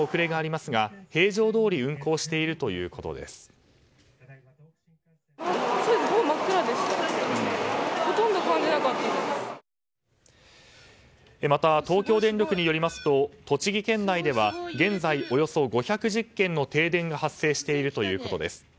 また、東京電力によりますと栃木県内では現在およそ５１０件の停電が発生しているということです。